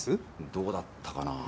どうだったかな。